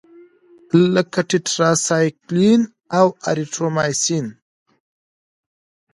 لکه ټیټرایسایکلین او اریترومایسین.